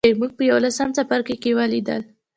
موږ په یوولسم څپرکي کې ولیدل.